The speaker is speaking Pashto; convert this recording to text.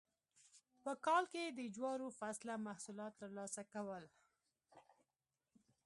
په کال کې یې د جوارو فصله محصولات ترلاسه کول.